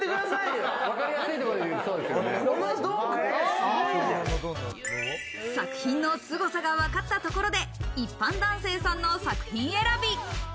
すごい！作品のすごさがわかったところで一般男性さんの作品選び。